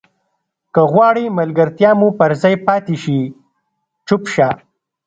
که غواړې ملګرتیا مو پر ځای پاتې شي چوپ شه.